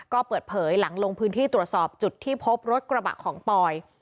ก็เปิดเผยหลังลงพื้นที่ตรวจสอบจุดที่พบรถกระบะของปอย